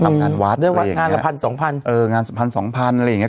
ตามงานวัดอะไรอย่างเงี้ยวัดงานละพันสองพันเอองานพันสองพันอะไรอย่างเงี้ย